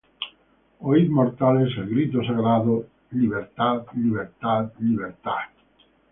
Oid, mortales el grito sagrado libertad, libertad, libertad